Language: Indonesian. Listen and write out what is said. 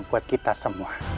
buat kita semua